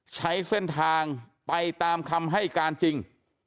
ใช้เส้นทางไปตามคำให้การจริง